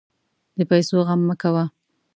د پیسو غم مه کوه.